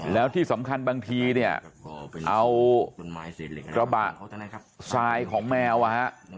แล้วที่สำคัญบางทีเนี่ยเอากระบะทรายของแมวอ่ะฮะ